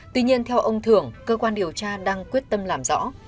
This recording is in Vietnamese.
tuy nhiên theo ông thưởng cơ quan điều tra đang quyết tâm làm rõ